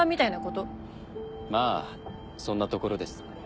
まあそんなところです。